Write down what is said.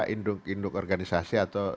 induk induk organisasi atau